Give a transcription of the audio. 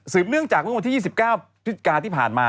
สืบเนื่องจากวิ่งวันที่๒๙พิศกาลที่ผ่านมา